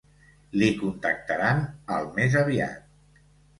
Li contactaran al més aviat.